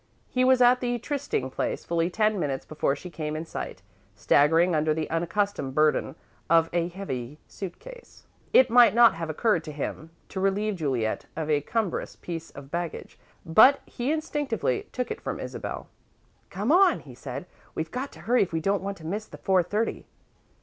He was at the trysting place fully ten minutes before she came in sight, staggering under the unaccustomed burden of a heavy suit case. It might not have occurred to him to relieve Juliet of a cumbrous piece of baggage, but he instinctively took it from Isabel. "Come on," he said. "We've got to hurry if we don't want to miss the four thirty."